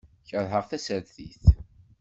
Keṛheɣ tasertit.